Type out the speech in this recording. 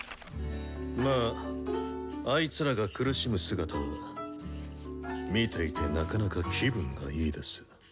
まぁあいつらが苦しむ姿は見えていてなかなか気分がいいです。